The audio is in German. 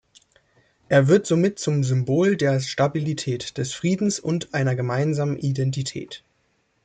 Er wird somit zum Symbol der Stabilität, des Friedens und einer gemeinsamen Identität.